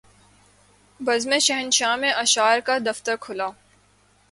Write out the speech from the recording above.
بزم شاہنشاہ میں اشعار کا دفتر کھلا